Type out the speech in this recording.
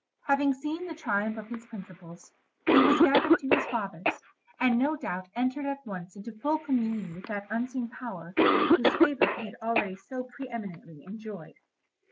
Having seen the triumph of his principles, he was gathered to his fathers, and no doubt entered at once into full communion with that unseen power whose favour he had already so pre eminently enjoyed.